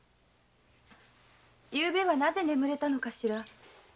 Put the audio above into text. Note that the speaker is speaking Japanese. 昨夜はなぜ眠れたのかしら？